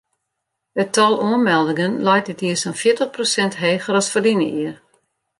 It tal oanmeldingen leit dit jier sa'n fjirtich prosint heger as ferline jier.